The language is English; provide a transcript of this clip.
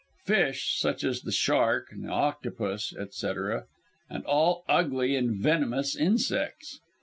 fish, such as the shark, octopus, etc.); and all ugly and venomous insects.